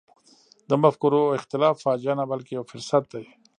د مفکورو اختلاف فاجعه نه بلکې یو فرصت دی.